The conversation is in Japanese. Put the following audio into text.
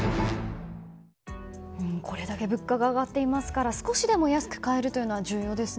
これだけ物価が上がっていますから少しでも安く買えるというのは重要ですね。